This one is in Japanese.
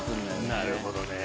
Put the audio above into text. なるほどね。